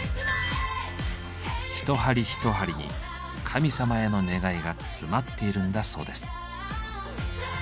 一針一針に神様への願いが詰まっているんだそうです。